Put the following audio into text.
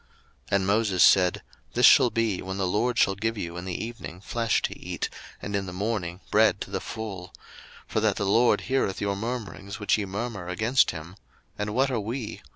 02:016:008 And Moses said, This shall be, when the LORD shall give you in the evening flesh to eat, and in the morning bread to the full; for that the LORD heareth your murmurings which ye murmur against him: and what are we?